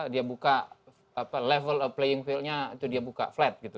dia buka level playing fieldnya itu dia buka flat gitu